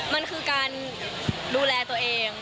มันคือการดูแลตัวเอง